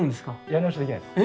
やり直しできないです。